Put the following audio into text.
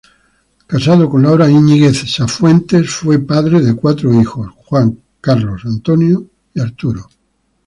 Casado con Laura Íñiguez Sanfuentes, tuvo cuatro hijos: Juan, Carlos, Antonio y Arturo.